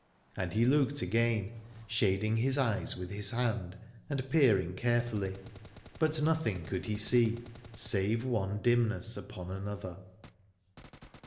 And he looked again, shading his eyes with his hand and peering carefully : but nothing could he see, save one dimness upon another.